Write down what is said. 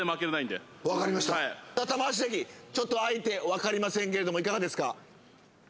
玉鷲関ちょっと相手分かりませんけれどもいかがですか？